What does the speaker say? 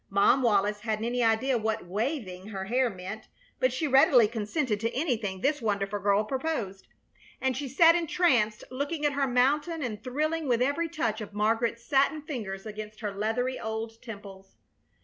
Mom Wallis hadn't any idea what "waving" her hair meant, but she readily consented to anything this wonderful girl proposed, and she sat entranced, looking at her mountain and thrilling with every touch of Margaret's satin fingers against her leathery old temples.